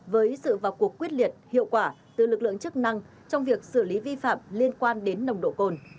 với sự vào cuộc quyết liệt hiệu quả từ lực lượng chức năng trong việc xử lý vi phạm liên quan đến nồng độ cồn